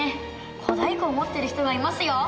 小太鼓を持ってる人がいますよ。